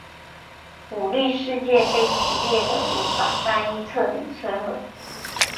舞律世界被激烈的舞法战役彻底摧毁。